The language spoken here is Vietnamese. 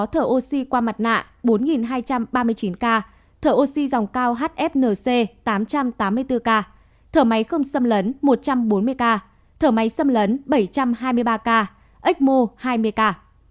thở oxy qua mặt nạ bốn hai trăm ba mươi chín ca thở oxy dòng cao hfnc tám trăm tám mươi bốn ca thở máy không xâm lấn một trăm bốn mươi ca thở máy xâm lấn bảy trăm hai mươi ba ca exmo hai mươi ca